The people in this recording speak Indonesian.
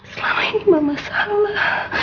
selama ini mama salah